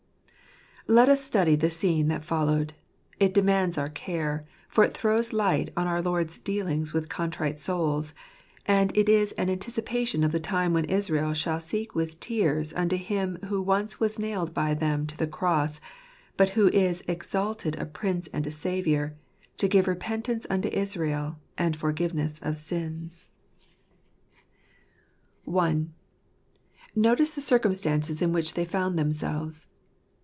Let us study the scene that followed. It demands our care ; for it throws light on our Lord's dealings with contrite souls, and it is an anticipation of the time when Israel shall seek with tears unto Him who once was nailed by them to the cross, but who is "exalted a Prince and a Saviour, to give repentance unto Israel, and forgiveness of sins." io8 Joseph making himself hitcfam. I. Notice the Circumstances in which they Found Themselves.